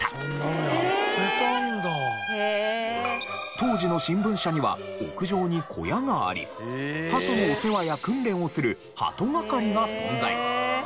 当時の新聞社には屋上に小屋があり鳩のお世話や訓練をする鳩係が存在。